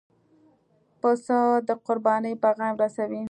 پسه د قربانۍ پیغام رسوي.